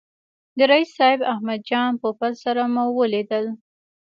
د رییس صاحب احمد جان پوپل سره مو ولیدل.